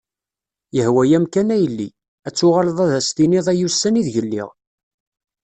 Yehwa-am kan a yelli, ad tuɣaleḍ ad as-tiniḍ ay ussan ideg lliɣ.